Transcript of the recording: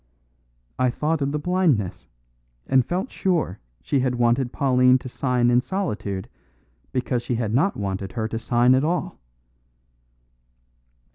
I thought of the blindness, and felt sure she had wanted Pauline to sign in solitude because she had wanted her not to sign at all.